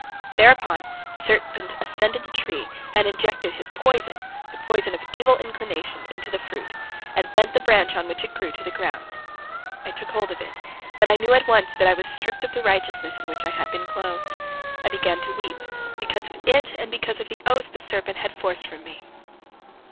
Thereupon the serpent ascended the tree and injected his poison, the poison of the evil inclination, into the fruit, and bent the branch on which it grew to the ground. I took hold of it, but I knew at once that I was stripped of the righteousness in which I had been clothed. I began to weep, because of it and because of the oath the serpent had forced from me.